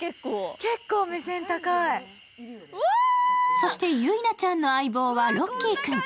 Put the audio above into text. そして、ゆいなちゃんの相棒はロッキー君。